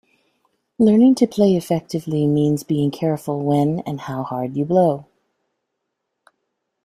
Learning to play effectively means being careful when and how hard you blow.